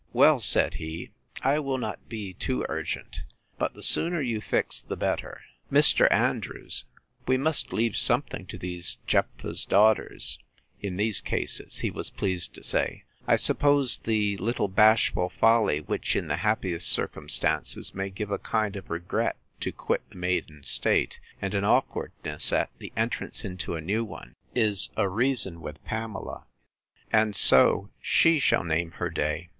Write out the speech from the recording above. Well, said he, I will not be too urgent; but the sooner you fix, the better. Mr. Andrews, we must leave something to these Jephthah's daughters, in these cases, he was pleased to say: I suppose the little bashful folly, which, in the happiest circumstances, may give a kind of regret to quit the maiden state, and an awkwardness at the entrance into a new one, is a reason with Pamela; and so she shall name her day.